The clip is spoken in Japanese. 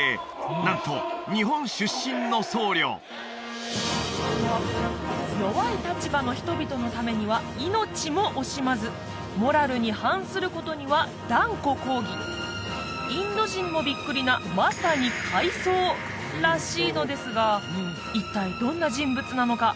なんと日本出身の僧侶弱い立場の人々のためには命も惜しまずモラルに反することには断固抗議インド人もビックリなまさに怪僧らしいのですが一体どんな人物なのか？